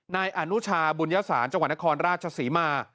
นายอนุชาบุญยศาสตร์จังหวัดนครราชศรีมา